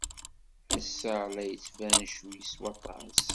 Ass-a la d-yettban ccwi s waṭas.